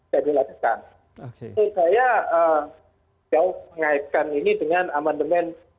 jadi saya jauh mengaitkan ini dengan amandemen